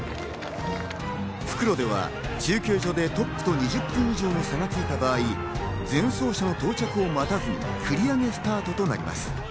復路では中継所でトップと２０分以上の差がついた場合、前走者の到着を待たず繰り上げスタートとなります。